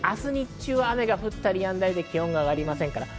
さらに明日日中は雨が降ったりやんだりで気温は上がりません。